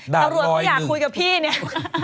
ตำรวจเขาอยากคุยกับพี่เนี่ย